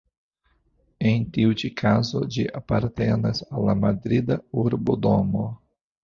En tiu ĉi kazo ĝi apartenas al la Madrida Urbodomo.